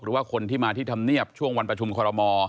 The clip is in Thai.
หรือว่าคนที่มาที่ธรรมเนียบช่วงวันประชุมคอรมอ